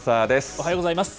おはようございます。